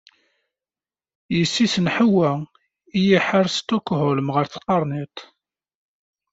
Yessi-s n Ḥewwa i iḥer Stukhulm ɣer tqarnit.